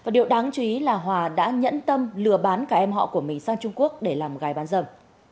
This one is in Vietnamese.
điều đáng chú ý là hòa đã nhẫn tâm lừa bán cả em họ của mình sang trung quốc để làm gái bán dâm